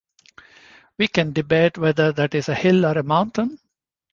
We can debate whether that is a hill or a mountain.